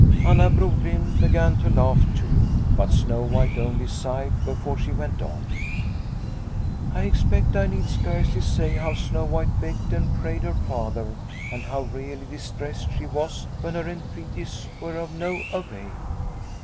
Anna Brogren began to laugh too, but Snow White only sighed before she went on. " I expect I need scarcely say how Snow White begged and prayed her Father and how really distressed she was when her entreaties were of no avail.